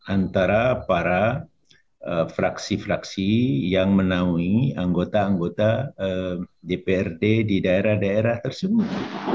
antara para fraksi fraksi yang menaungi anggota anggota dprd di daerah daerah tersebut